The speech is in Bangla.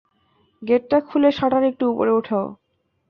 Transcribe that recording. গেটটা খুলে শাটার একটু উপরে উঠাও।